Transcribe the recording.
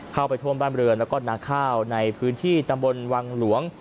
เข้าไปท่วมบ้านเรือนแล้วก็นาข้าวในพื้นที่ตำบลวังหลวง